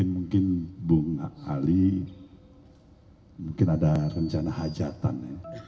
mungkin bung ali mungkin ada rencana hajatan